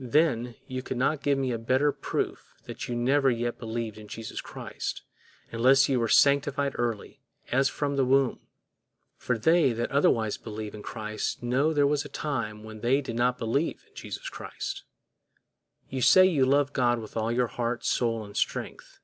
Then, you could not give me a better proof that you never yet believed in Jesus Christ, unless you were sanctified early, as from the womb; for they that otherwise believe in Christ know there was a time when they did not believe in Jesus Christ.You say you love God with all your heart, soul, and strength.